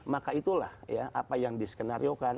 maka itulah ya apa yang diskenariokan